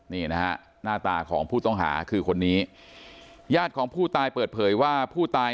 นี่นะฮะหน้าตาของผู้ต้องหาคือคนนี้ญาติของผู้ตายเปิดเผยว่าผู้ตาย